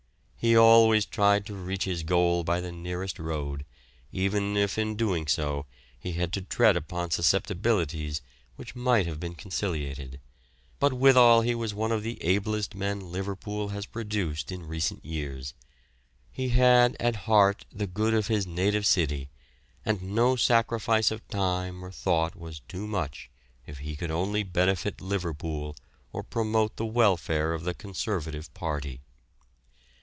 He always tried to reach his goal by the nearest road, even if in doing so he had to tread upon susceptibilities which might have been conciliated, but withal he was one of the ablest men Liverpool has produced in recent years; he had at heart the good of his native city, and no sacrifice of time or thought was too much if he could only benefit Liverpool or promote the welfare of the Conservative party.